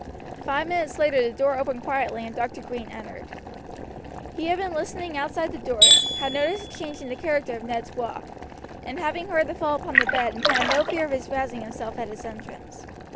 Five minutes later the door opened quietly and Dr. Green entered. He had been listening outside the door, had noticed the change in the character of Ned's walk, and having heard the fall upon the bed, and had no fear of his rousing himself at his entrance.